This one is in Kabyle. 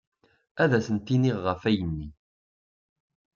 Ad asent-iniɣ ɣef ayenni.